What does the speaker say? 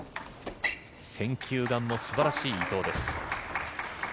選球眼も素晴らしい伊藤です。